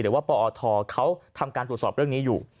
ปอทเขาทำการตรวจสอบเรื่องนี้อยู่